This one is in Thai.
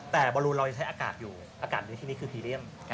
แต่บอลลูนเรายังใช้อากาศอยู่อากาศในที่นี้คือพีเรียม